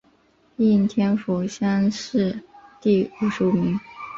应天府乡试第五十五名。